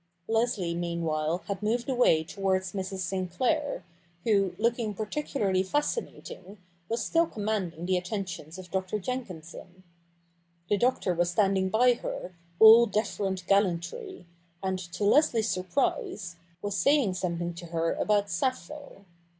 Leslie meanwhile had moved away towards Mrs. Sinclair, who, looking particularly fascinating, was still commanding the attentions of Dr. Jenkinson. The Doctor was standing by her, all deferent gallantry, and, to Leslie's surprise, was saying something to her about Sappho.